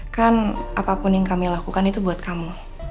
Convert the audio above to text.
kan apapun yang kami lakukan itu buat kamu